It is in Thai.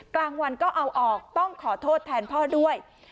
กลางวันก็เอาออกต้องขอโทษแทนพ่อด้วย